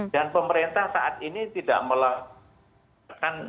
dan pemerintah saat ini tidak melakukan